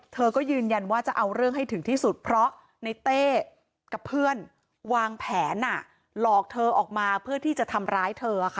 เธอก็ยืนยันว่าจะเอาเรื่องให้ถึงที่สุดเพราะในเต้กับเพื่อนวางแผนหลอกเธอออกมาเพื่อที่จะทำร้ายเธอค่ะ